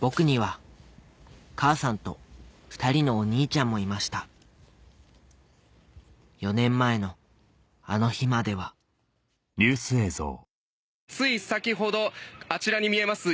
僕には母さんと２人のお兄ちゃんもいました４年前のあの日まではつい先ほどあちらに見えます